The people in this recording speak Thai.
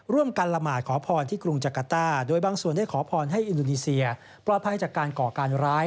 ละกันละหมาดขอพรที่กรุงจักรต้าโดยบางส่วนได้ขอพรให้อินโดนีเซียปลอดภัยจากการก่อการร้าย